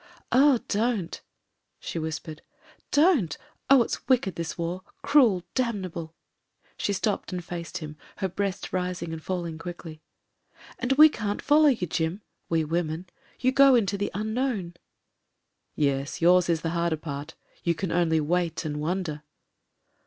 "Ah! don't," she whispered— "don't 1 Oh! it's wicked, this war; cruel, damnable." She stopped and faced him, her breast rising and falling quickly. "And we can't follow you, Jim — ^we women. You go into « the unknown." "Yes — ^yours is the harder part You can only wait and wonder."